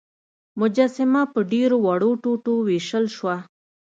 مجسمه په ډیرو وړو ټوټو ویشل شوه.